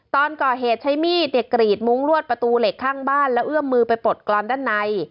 ตอนก่อเหตุใช้มีดกรีดมุ้งลวดประตูเหล็กข้างบ้านแล้วเอื้อมมือไปปลดกรอนด้านใน